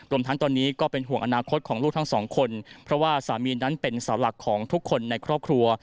รวมทั้งตอนนี้ก็เป็นห่วงอนาคตของลูกทั้งสองคนเพราะว่าสามีนั้นเป็นสาวหลักของทุกคนในครอบครัว